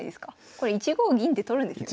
これ１五銀で取るんですよね？